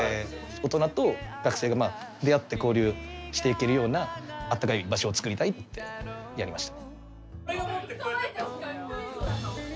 大人と学生が出会って交流していけるような温かい場所を作りたいってやりました。